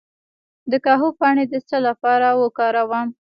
د کاهو پاڼې د څه لپاره وکاروم؟